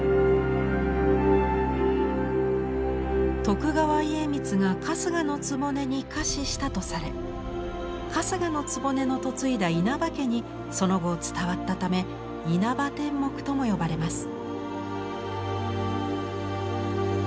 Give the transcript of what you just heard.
徳川家光が春日局に下賜したとされ春日局の嫁いだ稲葉家にその後伝わったため「稲葉天目」とも呼ばれます。